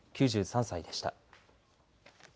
９３歳でした。